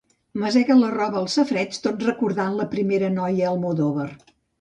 Masega la roba al safareig tot recordant la primera noia Almodóvar.